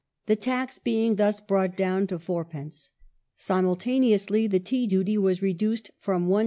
the tax being thus brought down to 4d. Simultaneously the tea duty was reduced from Is.